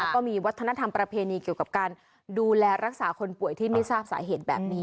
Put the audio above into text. ก็มีวัฒนธรรมประเพณีเกี่ยวกับการดูแลรักษาคนป่วยที่ไม่ทราบสาเหตุแบบนี้